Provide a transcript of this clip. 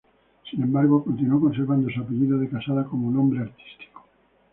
Sin embargo, continuó conservando su apellido de casada como nombre artístico.